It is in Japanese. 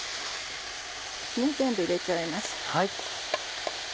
全部入れちゃいます。